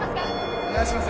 お願いします